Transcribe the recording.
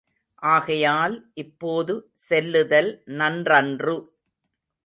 ஆகையால் இப்போது செல்லுதல் நன்றன்று.